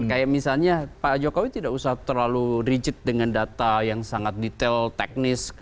kayak misalnya pak jokowi tidak usah terlalu rigid dengan data yang sangat detail teknis